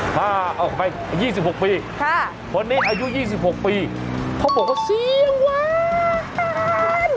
ถ้าออกไป๒๖ปีคนนี้อายุ๒๖ปีเขาบอกว่าเสียงหวาน